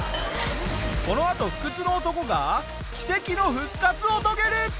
このあと不屈の男が奇跡の復活を遂げる！